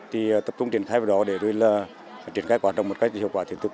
thì tập trung truyền khai vào đó để truyền khai hoạt động một cách hiệu quả thiện thực